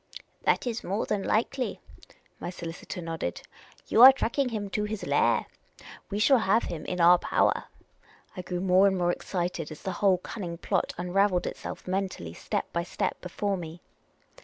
" That is more than likely," my solicitor nodded, " You are tracking him to his lair. We shall have him in our power. '' I grew more and more excited as the whole cunning plot unravelled itself mentally step by step before me.